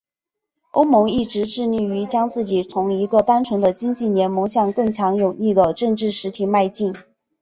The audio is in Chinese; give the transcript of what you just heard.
欧盟一直致力于将自己从一个单纯的经济联盟向更强有力的政治实体迈进。